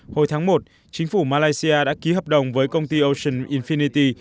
hồi tháng một chính phủ malaysia đã ký hợp đồng với công ty ocean infinity